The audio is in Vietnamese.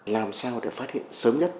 làm sao để phát hiện sớm nhất